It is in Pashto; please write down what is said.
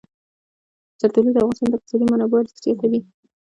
زردالو د افغانستان د اقتصادي منابعو ارزښت زیاتوي.